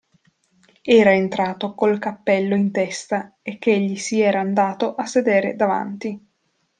Era entrato col cappello in testa e che gli si era andato a sedere davanti.